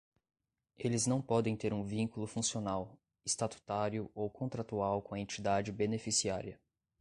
Eles não podem ter um vínculo funcional, estatutário ou contratual com a entidade beneficiária.